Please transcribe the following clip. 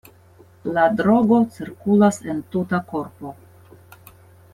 La drogo cirkulas en tuta korpo.